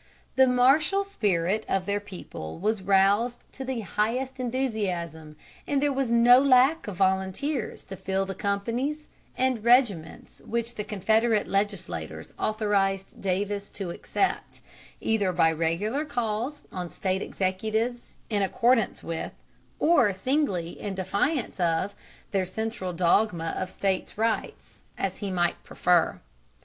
The martial spirit of their people was roused to the highest enthusiasm, and there was no lack of volunteers to fill the companies and regiments which the Confederate legislators authorized Davis to accept, either by regular calls on State executives in accordance with, or singly in defiance of, their central dogma of States Rights, as he might prefer.